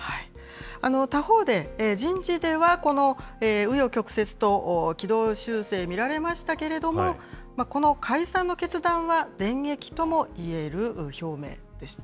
他方で、人事では、このう余曲折と、軌道修正見られましたけれども、この解散の決断は電撃ともいえる表明でした。